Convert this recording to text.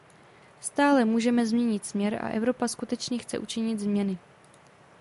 Stále můžeme změnit směr a Evropa skutečně chce učinit změny.